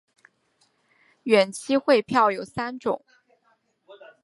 远期汇票有三种。